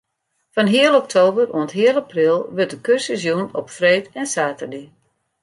Fan heal oktober oant heal april wurdt de kursus jûn op freed en saterdei.